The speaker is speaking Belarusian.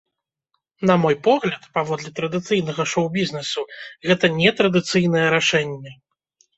На мой погляд, паводле традыцыйнага шоу-бізнесу, гэта нетрадыцыйнае рашэнне.